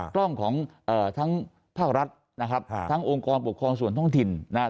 กล้องของทั้งภาครัฐนะครับทั้งองค์กรปกครองส่วนท้องถิ่นนะครับ